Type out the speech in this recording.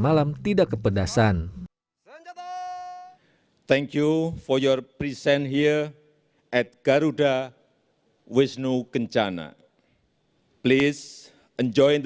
malam tidak kepedasan thank you for your present here at garuda wisnu kencana please enjoy the